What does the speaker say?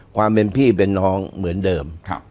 ความเป็นพี่เป็นน้องเหมือนเดิม